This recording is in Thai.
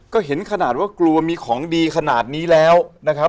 ก็เห็นขนาดว่ากลัวมีของดีขนาดนี้แล้วนะครับ